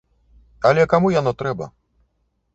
Але каму яно трэба?